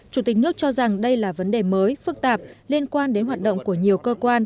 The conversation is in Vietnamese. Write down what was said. chủ tịch nước cho rằng đây là vấn đề mới phức tạp liên quan đến hoạt động của nhiều cơ quan